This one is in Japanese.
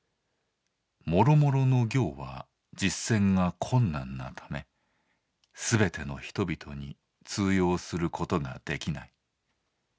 諸々の行は実践が困難なため全ての人々に通用することができない。